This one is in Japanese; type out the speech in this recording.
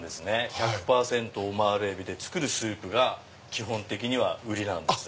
１００％オマール海老で作るスープが基本的に売りなんです。